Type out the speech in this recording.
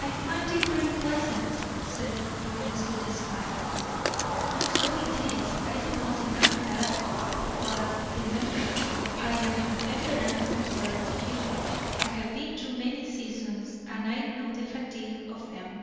"I find it very pleasant," said Doris, with a smile. "So it is; I do not deny that. But, remember, I am a veteran compared to you. I have been through many seasons, and I know the fatigue of them.